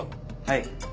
はい。